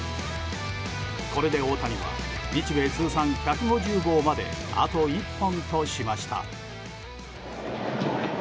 これで大谷は日米通算１５０号まであと１本としました。